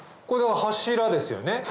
これは柱ですよね？